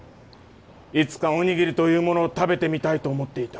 いつかお握りというものを食べてみたいと思っていた。